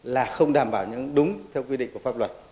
là không đảm bảo những đúng theo quy định của pháp luật